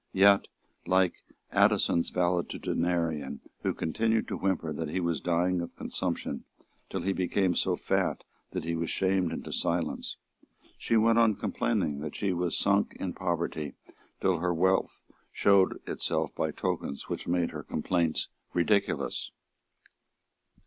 Yet, like Addison's valetudinarian, who continued to whimper that he was dying of consumption till he became so fat that he was shamed into silence, she went on complaining that she was sunk in poverty till her wealth showed itself by tokens which made her complaints ridiculous.